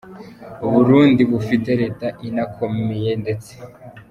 U Burundi bufite leta inakomeye ndetse.